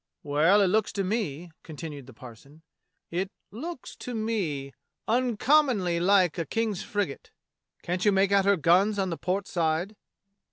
^" "Well, it looks to me," continued the parson, "it — looks — to — me — uncommonly like a King's frigate. Can't you make out her guns on the port side.'